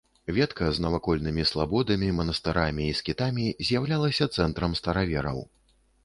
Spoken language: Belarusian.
Ветка з навакольнымі слабодамі, манастырамі і скітамі з'яўлялася цэнтрам старавераў.